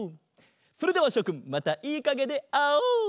それではしょくんまたいいかげであおう！